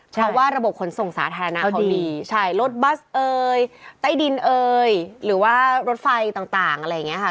เพราะว่าระบบขนส่งสาธารณะเขาดีใช่รถบัสเอ่ยใต้ดินเอยหรือว่ารถไฟต่างอะไรอย่างนี้ค่ะ